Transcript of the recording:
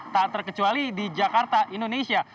tak terkecuali di jakarta indonesia